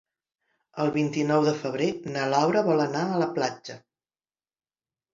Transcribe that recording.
El vint-i-nou de febrer na Laura vol anar a la platja.